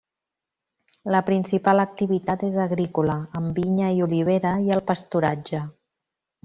La principal activitat és agrícola, amb vinya i olivera, i el pasturatge.